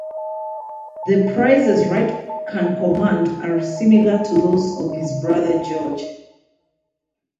The prices Wright can command are similar to those of his brother George.